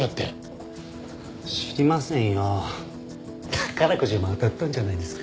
宝くじでも当たったんじゃないですか？